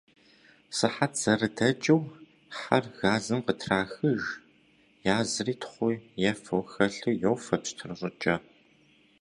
Сыхьэт зэрыдэкӏыу, хьэр газым къытрахыж, язри, тхъу е фо хэлъу йофэ пщтыр щӏыкӏэ.